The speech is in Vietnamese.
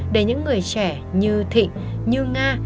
để những người trẻ như thịnh như nga